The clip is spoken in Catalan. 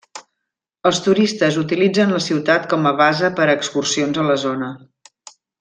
Els turistes utilitzen la ciutat com a base per a excursions a la zona.